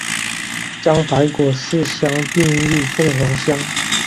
将白果市乡并入凤凰乡。